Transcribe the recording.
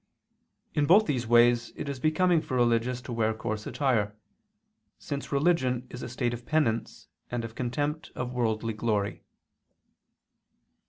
In both these ways it is becoming for religious to wear coarse attire, since religion is a state of penance and of contempt of worldly glory.